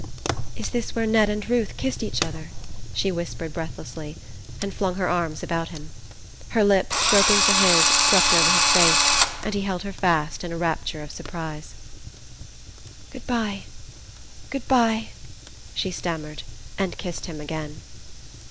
"Is this where Ned and Ruth kissed each other?" she whispered breathlessly, and flung her arms about him. Her lips, groping for his, swept over his face, and he held her fast in a rapture of surprise. "Good bye good bye," she stammered, and kissed him again.